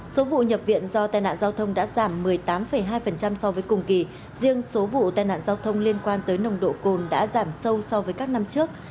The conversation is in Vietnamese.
số vụ nhập viện do tai nạn giao thông đã giảm một mươi tám hai so với cùng kỳ riêng số vụ tai nạn giao thông liên quan tới nồng độ cồn đã giảm sâu so với các năm trước